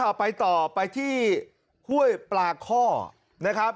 เอาไปต่อไปที่ห้วยปลาข้อนะครับ